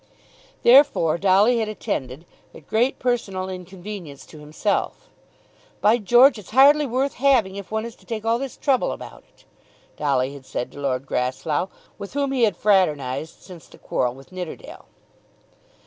Therefore Dolly had attended, at great personal inconvenience to himself. "By George, it's hardly worth having if one is to take all this trouble about it," Dolly had said to Lord Grasslough, with whom he had fraternised since the quarrel with Nidderdale.